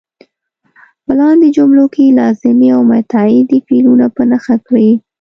په لاندې جملو کې لازمي او متعدي فعلونه په نښه کړئ.